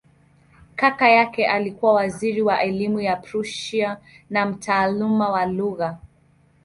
Kaka yake alikuwa waziri wa elimu wa Prussia na mtaalamu wa lugha.